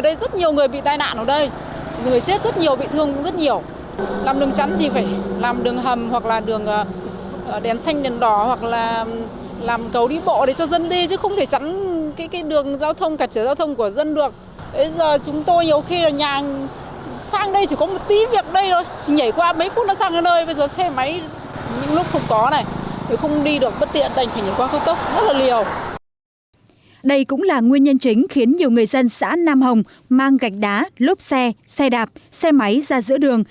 đây cũng là nguyên nhân chính khiến nhiều người dân xã nam hồng mang gạch đá lốp xe xe đạp xe máy ra giữa đường